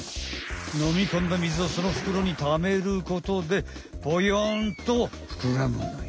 のみ込んだ水をそのふくろにためることでボヨンとふくらむのよ。